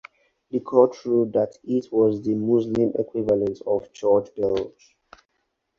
The court ruled that it was the Muslim equivalent of church bells.